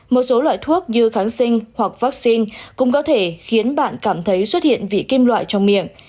một số loại thuốc như kháng sinh hoặc vaccine cũng có thể khiến bạn cảm thấy xuất hiện vị kim loại trong miệng